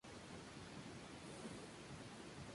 El vuelo inicial demostró que su teoría estaba en lo cierto.